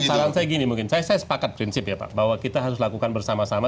saran saya gini mungkin saya sepakat prinsip ya pak bahwa kita harus lakukan bersama sama